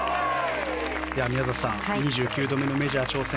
宮里さん２９度目のメジャー挑戦。